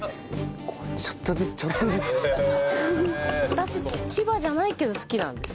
私千葉じゃないけど好きなんです。